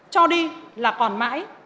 cho đi là còn mãi